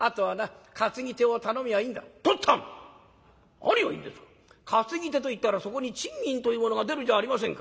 何を言うんですか担ぎ手といったらそこに賃金というものが出るじゃありませんか。